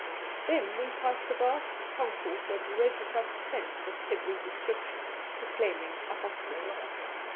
Then we passed a vast concourse of red cross tents of every description, proclaiming a hospital.